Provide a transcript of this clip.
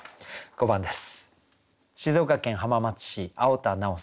５番です。